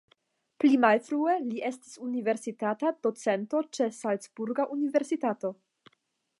Pli malfrue li estis universitata docento ĉe Salcburga universitato.